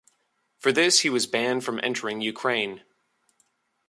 For this he was banned from entering Ukraine.